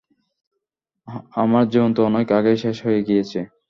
আমার জীবন তো অনেক আগেই শেষ হয়ে গিয়েছে।